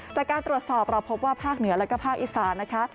จากการตรวจสอบเราพบว่าภาคเหนือแล้วก็ภาคอีสานนะคะ